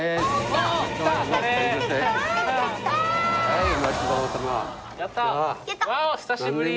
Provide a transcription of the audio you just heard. わお久しぶり